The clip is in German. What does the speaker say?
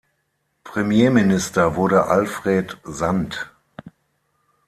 Premierminister wurde Alfred Sant.